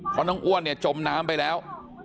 เพราะน้องอ้วนเนี่ยจมน้ำไปแล้ว